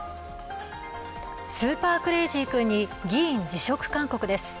スーパークレイジー君に議員辞職勧告です。